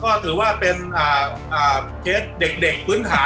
ก็ถือว่าเป็นเคสเด็กพื้นฐาน